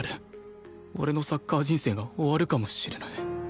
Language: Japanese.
俺のサッカー人生が終わるかもしれない